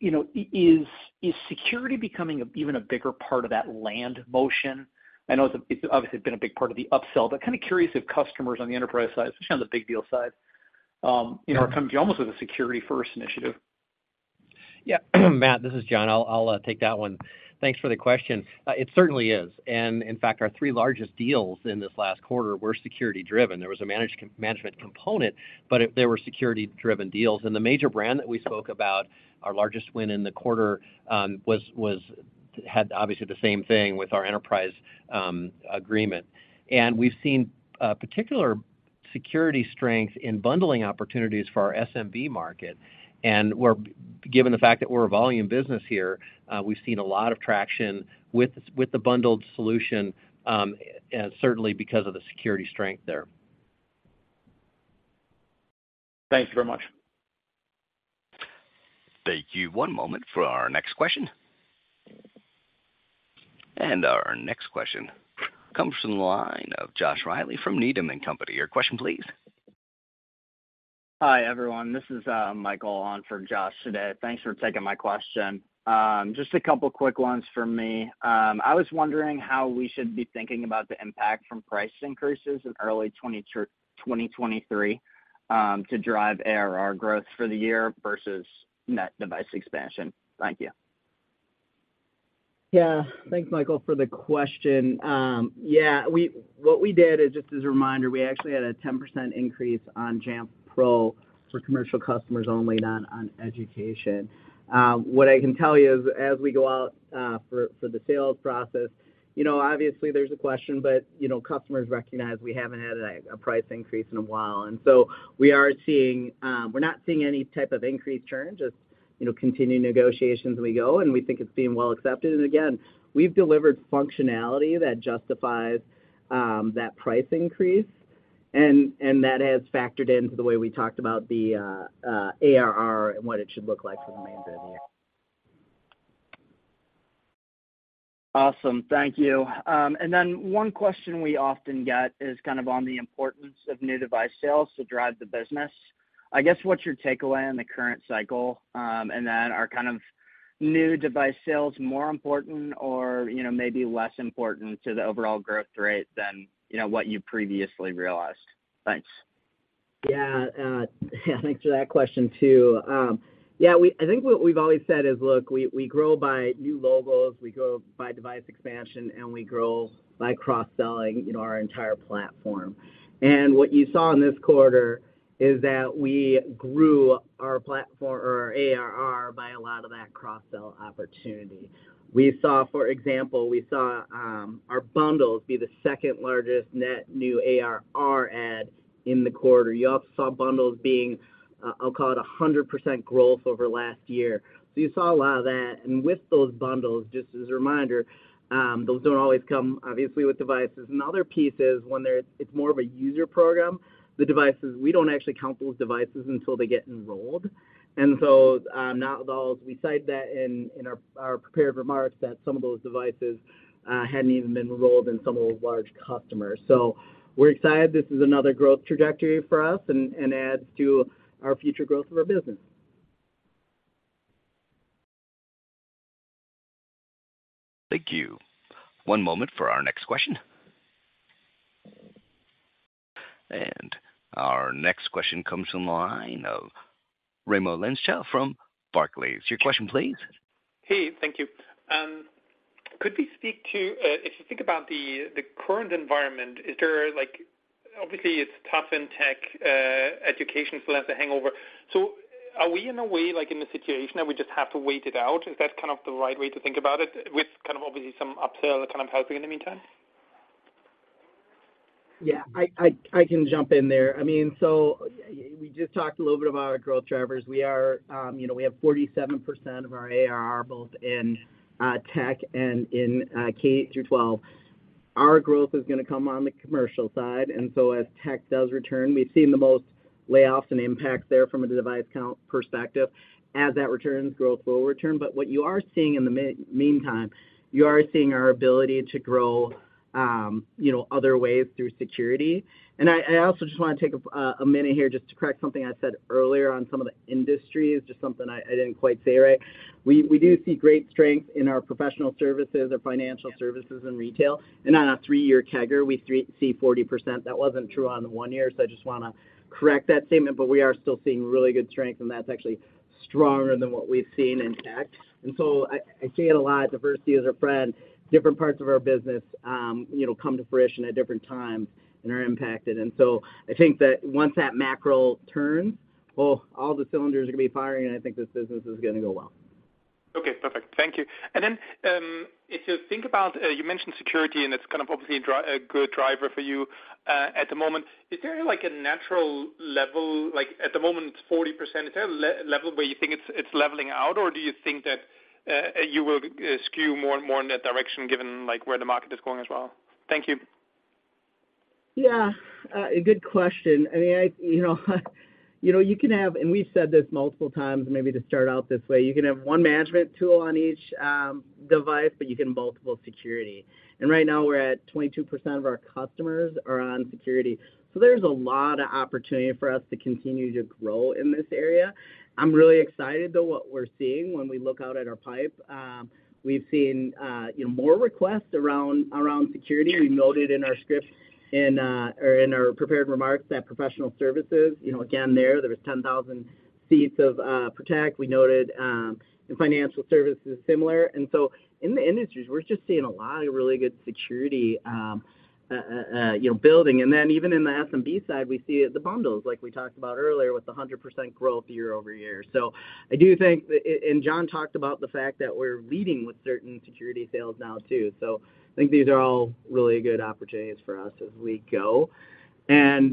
Speaker 8: you know, is security becoming a even a bigger part of that land motion? I know it's obviously been a big part of the upsell, but kind of curious if customers on the enterprise side, especially on the big deal side, you know, are coming to you almost with a security-first initiative.
Speaker 4: Yeah. Matt, this is John. I'll, I'll take that one. Thanks for the question. It certainly is, and in fact, our three largest deals in this last quarter were security-driven. There was a management component, but they were security-driven deals. The major brand that we spoke about, our largest win in the quarter, had obviously the same thing with our enterprise agreement. We've seen particular security strength in bundling opportunities for our SMB market. We're, given the fact that we're a volume business here, we've seen a lot of traction with the bundled solution, and certainly because of the security strength there.
Speaker 8: Thank you very much.
Speaker 1: Thank you. One moment for our next question. Our next question comes from the line of Josh Reilly from Needham & Company. Your question please.
Speaker 9: Hi, everyone. This is Michael on for Josh today. Thanks for taking my question. Just a couple quick ones for me. I was wondering how we should be thinking about the impact from price increases in early 2023 to drive ARR growth for the year versus net device expansion. Thank you.
Speaker 5: Yeah. Thanks, Michael, for the question. Yeah, we- what we did is, just as a reminder, we actually had a 10% increase on Jamf Pro for commercial customers only, not on education. What I can tell you is as we go out for, for the sales process, you know, obviously there's a question, but, you know, customers recognize we haven't had a, a price increase in a while, and so we are seeing. We're not seeing any type of increased churn, just, you know, continuing negotiations as we go, and we think it's being well accepted. Again, we've delivered functionality that justifies that price increase, and that has factored into the way we talked about the ARR and what it should look like for the remainder of the year.
Speaker 9: Awesome. Thank you. One question we often get is kind of on the importance of new device sales to drive the business. I guess, what's your takeaway on the current cycle? Are kind of.... new device sales more important or, you know, maybe less important to the overall growth rate than, you know, what you previously realized? Thanks.
Speaker 5: Yeah, thanks for that question, too. Yeah, I think what we've always said is, look, we, we grow by new logos, we grow by device expansion, and we grow by cross-selling, you know, our entire platform. What you saw in this quarter is that we grew our platform or our ARR by a lot of that cross-sell opportunity. We saw, for example, we saw our bundles be the second largest net new ARR add in the quarter. You also saw bundles being, I'll call it 100% growth over last year. You saw a lot of that. With those bundles, just as a reminder, those don't always come, obviously, with devices. Another piece is when it's more of a user program, the devices, we don't actually count those devices until they get enrolled. Not all, we cite that in, in our, our prepared remarks, that some of those devices, hadn't even been enrolled in some of those large customers. We're excited this is another growth trajectory for us and, and adds to our future growth of our business.
Speaker 1: Thank you. One moment for our next question. Our next question comes from the line of Raimo Lenschow from Barclays. Your question, please.
Speaker 10: Hey, thank you. Could we speak to, if you think about the current environment, is there, like, obviously, it's tough in tech, education still has a hangover. Are we in a way, like, in a situation that we just have to wait it out? Is that kind of the right way to think about it, with kind of obviously some upsell kind of helping in the meantime?
Speaker 5: Yeah, I can jump in there. I mean, we just talked a little bit about our growth drivers. We are, you know, we have 47% of our ARR, both in tech and in K-12. Our growth is going to come on the commercial side. As tech does return, we've seen the most layoffs and impacts there from a device count perspective. As that returns, growth will return. What you are seeing in the meantime, you are seeing our ability to grow, you know, other ways through security. I also just want to take a minute here just to correct something I said earlier on some of the industries, just something I didn't quite say right. We do see great strength in our professional services, our financial services, and retail. On a three-year CAGR, we see 40%. That wasn't true on the one year, so I just want to correct that statement, but we are still seeing really good strength, and that's actually stronger than what we've seen in tech. I, I say it a lot, diversity is our friend. Different parts of our business, you know, come to fruition at different times and are impacted. I think that once that macro turns, oh, all the cylinders are going to be firing, and I think this business is going to go well.
Speaker 10: Okay, perfect. Thank you. If you think about, you mentioned security, and it's kind of obviously a good driver for you, at the moment. Is there, like, a natural level? Like, at the moment, it's 40%. Is there a level where you think it's, it's leveling out, or do you think that you will skew more and more in that direction, given, like, where the market is going as well? Thank you.
Speaker 5: Yeah, a good question. I mean, I, you know, you know, you can have, and we've said this multiple times, maybe to start out this way, you can have 1 management tool on each device, but you can have multiple security. Right now, we're at 22% of our customers are on security. There's a lot of opportunity for us to continue to grow in this area. I'm really excited, though, what we're seeing when we look out at our pipe. We've seen, you know, more requests around, around security. We noted in our script, in, or in our prepared remarks that professional services, you know, again, there, there was 10,000 seats of Protect. We noted, in financial services, similar. In the industries, we're just seeing a lot of really good security, you know, building. Even in the SMB side, we see the bundles, like we talked about earlier, with 100% growth year-over-year. I do think that. John talked about the fact that we're leading with certain security sales now, too. I think these are all really good opportunities for us as we go. You want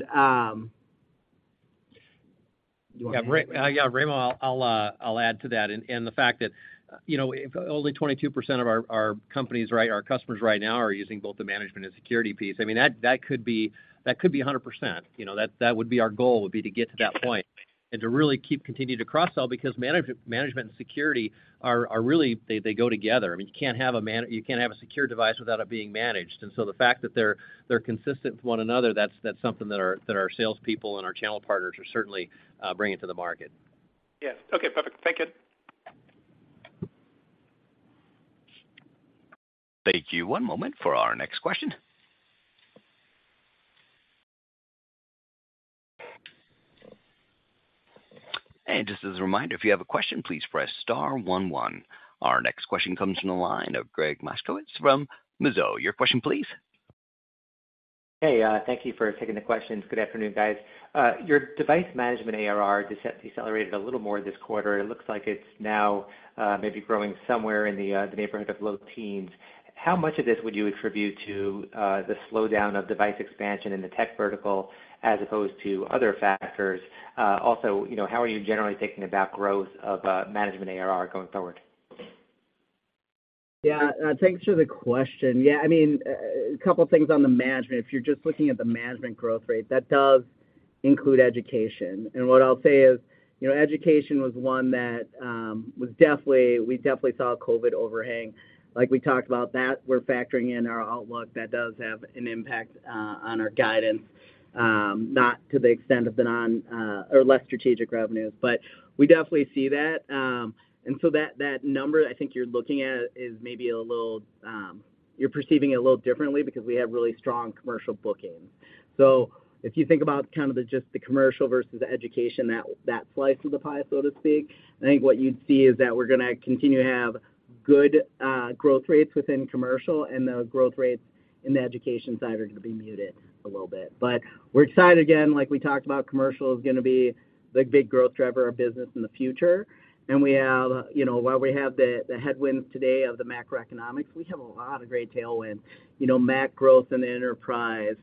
Speaker 5: to-
Speaker 4: Yeah, Raimo, I'll add to that. The fact that, you know, if only 22% of our, our companies, right, our customers right now are using both the management and security piece, I mean, that, that could be, that could be 100%. You know, that, that would be our goal, would be to get to that point and to really keep continuing to cross-sell, because management and security are, are really, they, they go together. I mean, you can't have a secure device without it being managed. The fact that they're, they're consistent with one another, that's, that's something that our, that our salespeople and our channel partners are certainly bringing to the market.
Speaker 10: Yes. Okay, perfect. Thank good.
Speaker 1: Thank you. One moment for our next question. Just as a reminder, if you have a question, please press Star one one. Our next question comes from the line of Gregg Moskowitz from Mizuho. Your question, please.
Speaker 11: Hey, thank you for taking the questions. Good afternoon, guys. Your device management ARR decelerated a little more this quarter. It looks like it's now maybe growing somewhere in the neighborhood of low teens. How much of this would you attribute to the slowdown of device expansion in the tech vertical as opposed to other factors? Also, you know, how are you generally thinking about growth of management ARR going forward?
Speaker 5: Yeah, thanks for the question. Yeah, I mean, a couple of things on the management. If you're just looking at the management growth rate, that does include education. What I'll say is, you know, education was one that was definitely, we definitely saw a COVID overhang. Like we talked about that, we're factoring in our outlook, that does have an impact on our guidance, not to the extent of the non, or less strategic revenues, but we definitely see that. And so that, that number, I think you're looking at is maybe a little, you're perceiving it a little differently because we have really strong commercial bookings. If you think about kind of the, just the commercial versus the education, that, that slice of the pie, so to speak, I think what you'd see is that we're gonna continue to have good growth rates within commercial, and the growth rates in the education side are gonna be muted a little bit. We're excited, again, like we talked about, commercial is gonna be the big growth driver of business in the future. We have, you know, while we have the, the headwinds today of the macroeconomics, we have a lot of great tailwind, you know, Mac growth in the enterprise,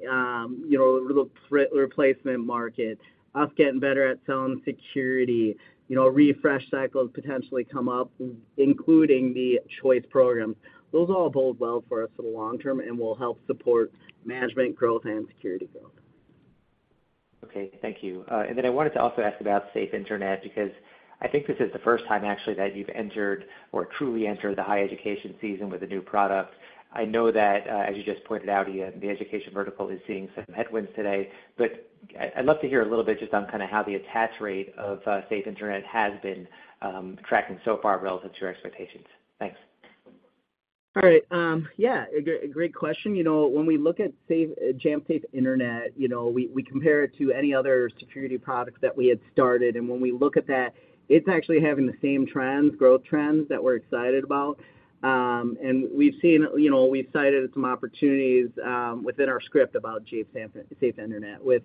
Speaker 5: you know, the replacement market, us getting better at selling security, you know, refresh cycles potentially come up, including the Jamf Choice. Those all bode well for us for the long term and will help support management growth and security growth.
Speaker 11: Okay, thank you. I wanted to also ask about Safe Internet, because I think this is the first time actually, that you've entered or truly entered the higher education season with a new product. I know that, as you just pointed out, Ian, the education vertical is seeing some headwinds today, I'd love to hear a little bit just on kind of how the attach rate of Safe Internet has been tracking so far relative to your expectations. Thanks.
Speaker 5: All right, yeah, a great, a great question. You know, when we look at Jamf Safe Internet, you know, we, we compare it to any other security product that we had started, and when we look at that, it's actually having the same trends, growth trends that we're excited about. We've seen, you know, we've cited some opportunities within our script about Jamf Safe Internet, with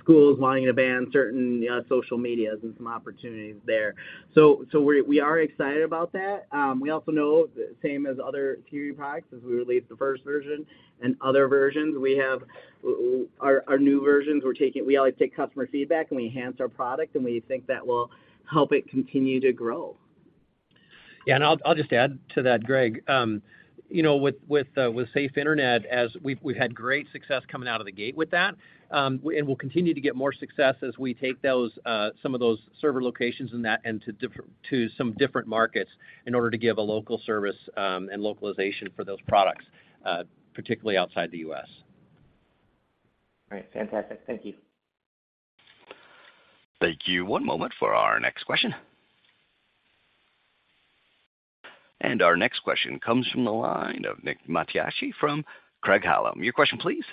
Speaker 5: schools wanting to ban certain social medias and some opportunities there. We are excited about that. We also know, the same as other security products, as we release the first version and other versions, we have our new versions, we always take customer feedback, and we enhance our product, and we think that will help it continue to grow.
Speaker 4: Yeah, and I'll, I'll just add to that, Gregg. You know, with, with Safe Internet, as we've, we've had great success coming out of the gate with that, and we'll continue to get more success as we take those, some of those server locations and that into to some different markets in order to give a local service, and localization for those products, particularly outside the U.S.
Speaker 11: All right. Fantastic. Thank you.
Speaker 1: Thank you. One moment for our next question. Our next question comes from the line of Nick Mattiacci from Craig-Hallum. Your question, please.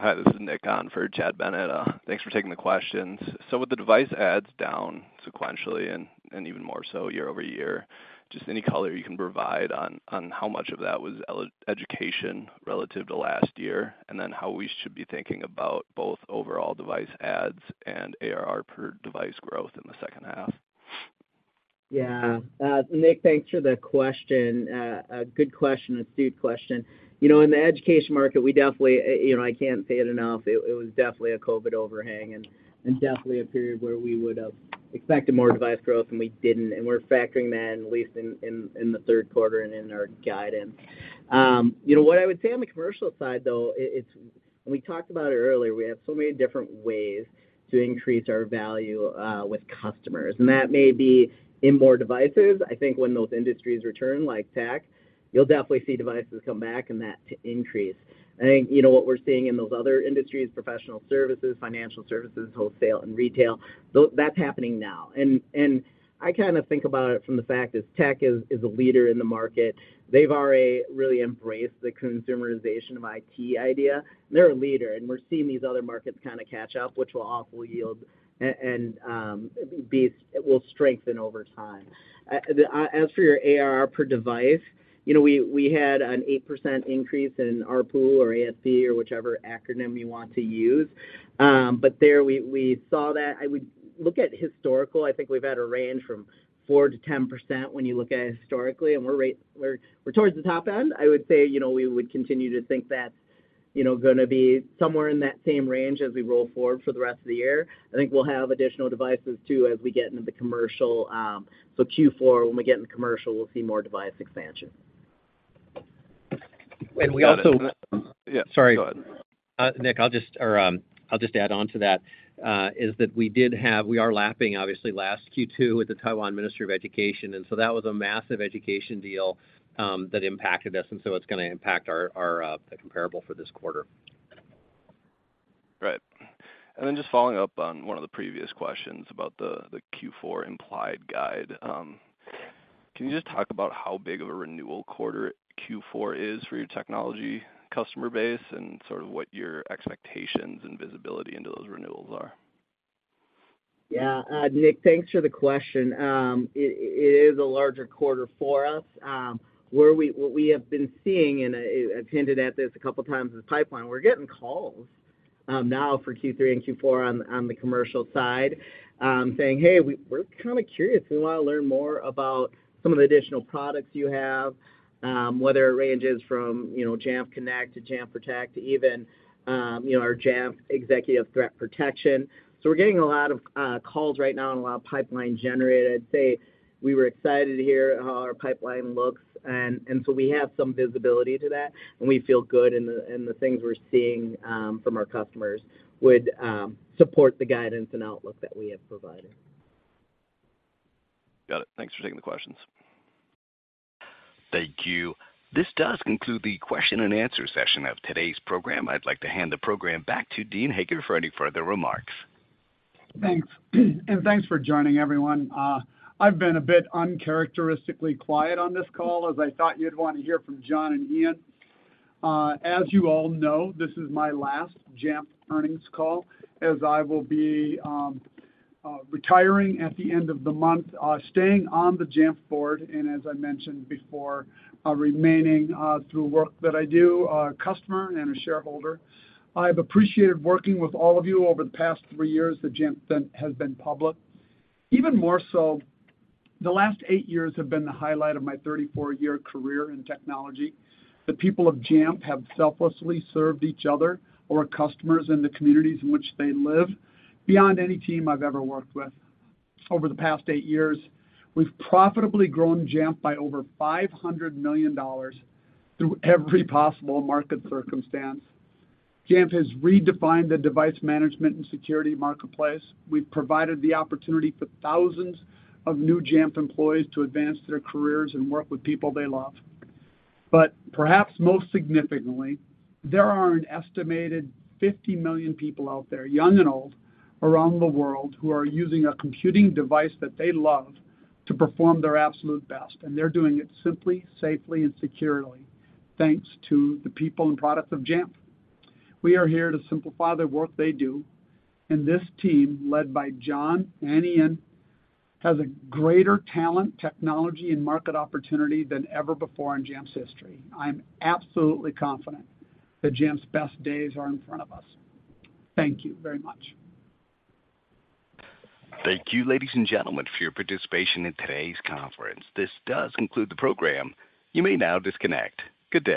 Speaker 12: Hi, this is Nick on for Chad Bennett. Thanks for taking the questions. With the device adds down sequentially and, and even more so year-over-year, just any color you can provide on, on how much of that was education relative to last year, and then how we should be thinking about both overall device adds and ARR per device growth in the second half?
Speaker 5: Yeah. Nick, thanks for the question. A good question, astute question. You know, in the education market, we definitely, you know, I can't say it enough, it, it was definitely a COVID overhang and, and definitely a period where we would have expected more device growth, and we didn't, and we're factoring that in, at least in, in, in the third quarter and in our guidance. You know, what I would say on the commercial side, though, it, it's. We talked about it earlier, we have so many different ways to increase our value with customers, and that may be in more devices. I think when those industries return, like tech, you'll definitely see devices come back and that to increase. I think, you know, what we're seeing in those other industries, professional services, financial services, wholesale and retail, that's happening now. I kind of think about it from the fact that tech is, is a leader in the market. They've already really embraced the consumerization of IT idea. They're a leader, and we're seeing these other markets kind of catch up, which will also yield and it will strengthen over time. As for your ARR per device, you know, we, we had an 8% increase in ARPU or ASC or whichever acronym you want to use. There we, we saw that. I would look at historical. I think we've had a range from 4%-10% when you look at it historically, and we're, we're towards the top end. I would say, you know, we would continue to think that's, you know, gonna be somewhere in that same range as we roll forward for the rest of the year. I think we'll have additional devices, too, as we get into the commercial. Q4, when we get into commercial, we'll see more device expansion.
Speaker 4: we also-
Speaker 12: Yeah.
Speaker 4: Sorry, go ahead. Nick, I'll just add on to that, is that we are lapping, obviously, last Q2 with the Taiwan Ministry of Education. That was a massive education deal that impacted us. It's gonna impact our, our, the comparable for this quarter.
Speaker 12: Right. just following up on one of the previous questions about the, the Q4 implied guide, can you just talk about how big of a renewal quarter Q4 is for your technology customer base and sort of what your expectations and visibility into those renewals are?
Speaker 5: Yeah. Nick, thanks for the question. It is a larger quarter for us. What we have been seeing, and I've hinted at this a couple times in the pipeline, we're getting calls now for Q3 and Q4 on the commercial side, saying, "Hey, we're kind of curious. We want to learn more about some of the additional products you have," whether it ranges from, you know, Jamf Connect to Jamf Protect to even, you know, our Jamf Executive Threat Protection. We're getting a lot of calls right now and a lot of pipeline generated. I'd say we were excited to hear how our pipeline looks, and so we have some visibility to that, and we feel good in the things we're seeing, from our customers would support the guidance and outlook that we have provided.
Speaker 12: Got it. Thanks for taking the questions.
Speaker 1: Thank you. This does conclude the question and answer session of today's program. I'd like to hand the program back to Dean Hager for any further remarks.
Speaker 3: Thanks, thanks for joining, everyone. I've been a bit uncharacteristically quiet on this call, as I thought you'd want to hear from John and Ian. As you all know, this is my last Jamf earnings call, as I will be retiring at the end of the month, staying on the Jamf board, and as I mentioned before, remaining through work that I do, a customer and a shareholder. I've appreciated working with all of you over the past 3 years that Jamf been, has been public. Even more so, the last 8 years have been the highlight of my 34-year career in technology. The people of Jamf have selflessly served each other or customers in the communities in which they live, beyond any team I've ever worked with. Over the past eight years, we've profitably grown Jamf by over $500 million through every possible market circumstance. Jamf has redefined the device management and security marketplace. We've provided the opportunity for thousands of new Jamf employees to advance their careers and work with people they love. Perhaps most significantly, there are an estimated 50 million people out there, young and old, around the world, who are using a computing device that they love to perform their absolute best, and they're doing it simply, safely, and securely, thanks to the people and products of Jamf. We are here to simplify the work they do, and this team, led by John and Ian, has a greater talent, technology, and market opportunity than ever before in Jamf's history. I'm absolutely confident that Jamf's best days are in front of us. Thank you very much.
Speaker 1: Thank you, ladies and gentlemen, for your participation in today's conference. This does conclude the program. You may now disconnect. Good day.